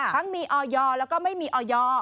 ทั้งมีออยแล้วก็ไม่มีออย